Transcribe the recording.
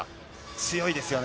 強いですよね。